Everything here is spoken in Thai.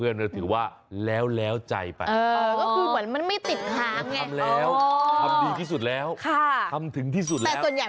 อีกนิดเดียวแล้วทุกคนจะรู้สึกนี่ไง